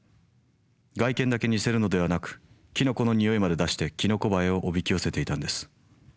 外見だけ似せるのではなくキノコの匂いまで出してキノコバエをおびき寄せていたんです。